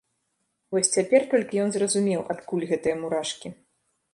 Вось цяпер толькі ён зразумеў, адкуль гэтыя мурашкі.